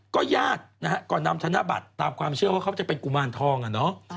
ญาตินะฮะก่อนนำธนบัตรตามความเชื่อว่าเขาจะเป็นกุมารทองอ่ะเนาะ